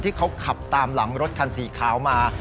ที่เขาขับตามหลังรถคันสีขาวมา